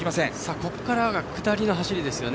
ここからが下りの走りですよね。